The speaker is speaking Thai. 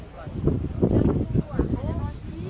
สุดท้ายเมื่อเวลาสุดท้าย